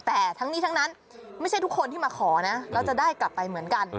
แต่ทั้งนี้ทั้งนั้นไม่ใช่ทุกคนที่มาขอนะแล้วจะได้กลับไปเหมือนกัน